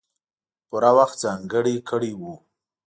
پوره وخت ځانګړی کړی وو.